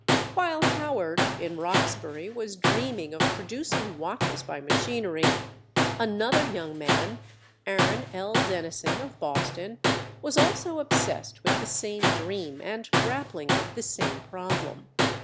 While Howard in Roxbury was dreaming of producing watches by machinery, another young man—Aaron L. Dennison, of Boston—was also obsessed with the same dream and grappling with the same problem.